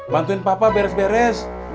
bantuin papa beres beres